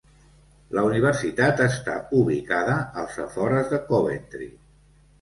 La Universitat està ubicada als afores de Coventry.